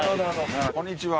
こんにちは。